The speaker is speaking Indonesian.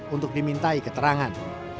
untuk dimintai keterangan